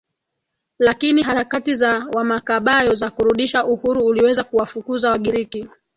Lakini harakati za Wamakabayo za kurudisha uhuru uliweza kuwafukuza Wagiriki